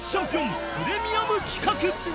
プレミアム企画